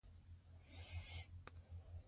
د نجونو محرومیت له زده کړې ستر زیان دی.